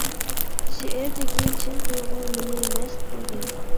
شېئىردىكى چىن تۇيغۇ مېنى مەست قىلدى.